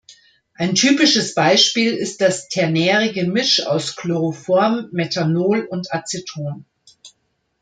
Ein typisches Beispiel ist das ternäre Gemisch aus Chloroform, Methanol und Aceton.